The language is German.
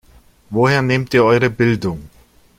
Woher nehmt ihr eure Bildung?